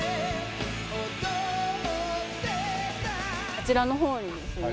あちらの方にですね